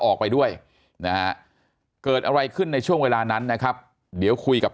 ออกไปด้วยนะฮะเกิดอะไรขึ้นในช่วงเวลานั้นนะครับเดี๋ยวคุยกับ